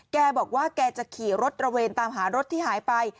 แกบอกว่าแกจะขี่รถตระเวนตามหารถที่หายไป